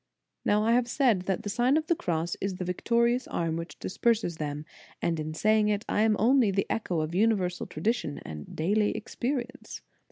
Now I have said that the Sig^n of the Cross is the c> victorious arm which disperses them, and in saying it, I am only the echo of universal tradition and daily experience.